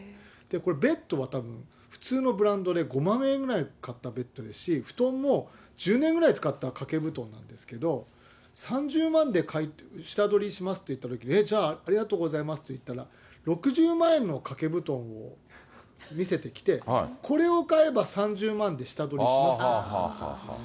これ、ベッドはたぶん、普通のブランドで５万円ぐらいで買ったベッドですし、布団も１０年ぐらい使った掛け布団なんですけど、３０万で下取りしますって言ったとき、じゃあありがとうございますって言ったら、６０万円の掛け布団を見せてきて、これを買えば３０万円で下取りますというんです。